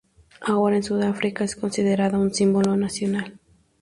Ahora en Sudáfrica es considerada un símbolo nacional.